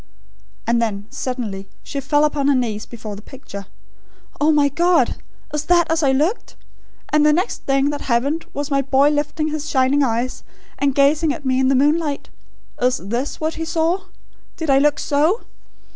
And then, suddenly; she fell upon her knees before the picture. "Oh, my God! Is that as I looked? And the next thing that happened was my boy lifting his shining eyes and gazing at me in the moonlight. Is THIS what he saw? Did I look SO?